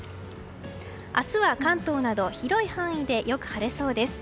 明日は、関東など広い範囲でよく晴れそうです。